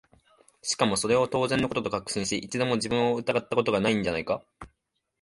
しかもそれを当然の事と確信し、一度も自分を疑った事が無いんじゃないか？